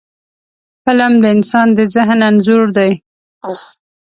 فلم د انسان د ذهن انځور دی